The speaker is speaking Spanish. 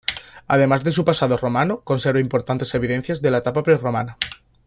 Además de su pasado romano conserva importantes evidencias de la etapa prerromana.